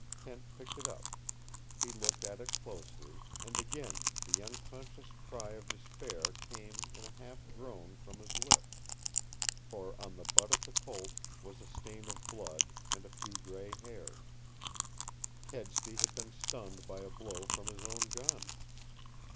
Kent picked it up. He looked at it closely, and again the unconscious cry of despair came in a half groan from his lips. For on the butt of the Colt was a stain of blood and a few gray hairs. Kedsty had been stunned by a blow from his own gun!